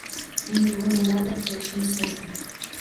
Men bugun nimadir bo’lishini sezdim…